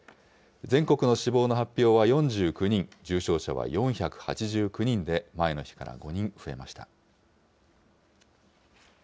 全国の死亡の発表は４９人、重症者は４８９人で、前の日から５人増えました。